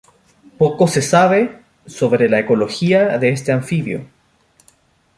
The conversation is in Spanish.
Poco se sabe sobre la ecología de este anfibio.